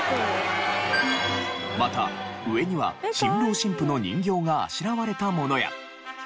また上には新郎新婦の人形があしらわれたものや。